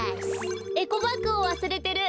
エコバッグをわすれてる。